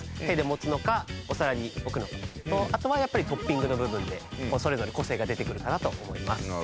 手で持つのかお皿に置くのか。とあとはやっぱりトッピングの部分でそれぞれ個性が出てくるかなと思います。